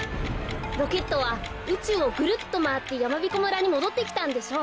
ロケットはうちゅうをぐるっとまわってやまびこ村にもどってきたんでしょう。